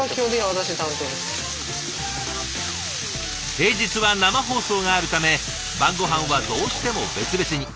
平日は生放送があるため晩ごはんはどうしても別々に。